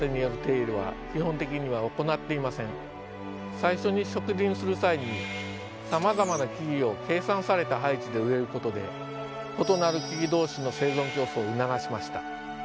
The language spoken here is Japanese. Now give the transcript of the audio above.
最初に植林する際にさまざまな木々を計算された配置で植えることで異なる木々同士の生存競争を促しました。